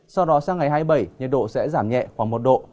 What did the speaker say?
sau đó sang ngày hai mươi bảy nhiệt độ sẽ giảm nhẹ khoảng một độ